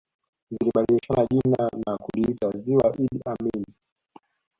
Zilibadilisha jina na kuliita Ziwa Idi Amin